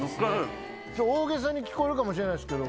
大げさに聞こえるかもしれないですけど